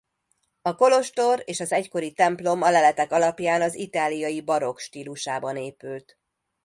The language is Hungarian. A kolostor és az egykori templom a leletek alapján az itáliai barokk stílusában épült.